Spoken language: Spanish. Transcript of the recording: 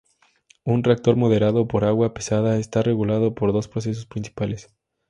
Un reactor moderado por agua pesada está regulado por dos procesos principales.